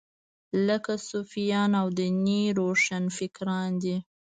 لکه صوفیان او دیني روښانفکران دي.